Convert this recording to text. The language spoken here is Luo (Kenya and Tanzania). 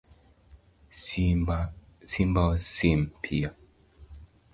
Simba osim piyo